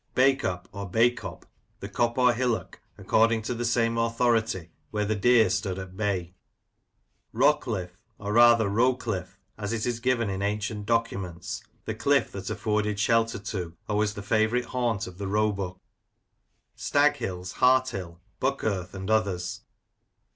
Bacup, or Baycop, the cop or hillock, according to the same authority, where the deer stood at bay. Rockliffe, or rather Roclyffe, as it is given in ancient documents, the cliff that afforded shelter to, or was the favourite haunt of the roebuck. Staghills, Harthill, Buckearth, and others.